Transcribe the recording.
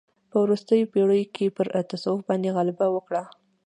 په وروستیو پېړیو کې پر تصوف باندې غلبه وکړه.